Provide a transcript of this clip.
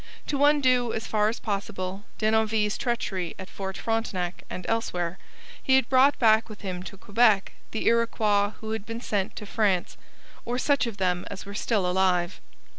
To undo, as far as possible, Denonville's treachery at Fort Frontenac and elsewhere, he had brought back with him to Quebec the Iroquois who had been sent to France or such of them as were still alive.